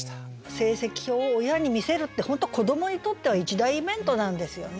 成績表を親に見せるって本当子どもにとっては一大イベントなんですよね。